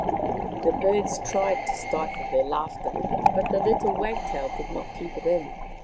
The birds tried to stifle their laughter, but the little wagtail could not keep it in.